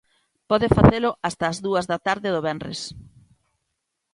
Pode facelo ata as dúas da tarde do venres.